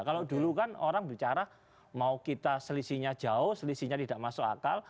kalau dulu kan orang bicara mau kita selisihnya jauh selisihnya tidak masuk akal